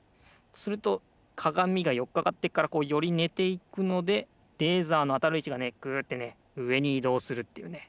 するとかがみがよっかかってるからこうよりねていくのでレーザーのあたるいちがねグッてねうえにいどうするっていうね